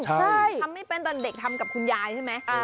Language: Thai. ใช่ทำไม่เป็นตอนเด็กทำกับคุณยายใช่ไหม